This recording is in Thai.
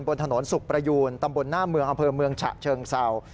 บนถนนสุขประยูนตำบลหน้าเมืองอำเภอเมืองฉะเชิงเศร้า